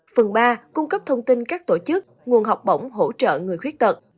phần ba cung cấp thông tin các tổ chức nguồn học bổng hỗ trợ người khuyết tật